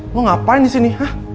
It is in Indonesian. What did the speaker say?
lo ngapain disini